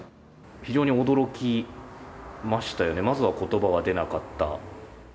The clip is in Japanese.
非常に驚きましたよね、まずはことばが出なかった。